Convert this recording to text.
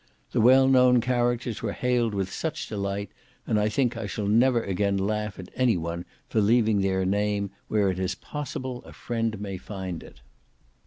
The well known characters were hailed with such delight, that I think I shall never again laugh at any one for leaving their name where it is possible a friend may find it.